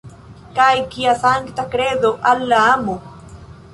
Kaj kia sankta kredo al la amo!